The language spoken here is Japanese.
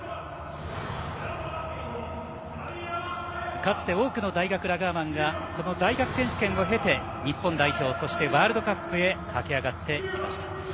かつて多くの大学ラガーマンがこの大学選手権を経て、日本代表そしてワールドカップへ駆け上がっていきました。